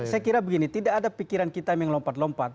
saya kira begini tidak ada pikiran kita yang lompat lompat